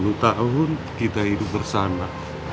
sudah tiga puluh tahun kita hidup bersama